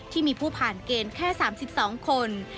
ที่มีผู้ผ่านเกณฑ์แค่๓๒คน